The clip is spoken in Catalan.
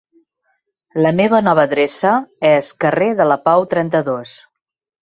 La meva nova adreça és carrer de la Pau trenta-dos.